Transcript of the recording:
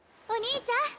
お兄ちゃん！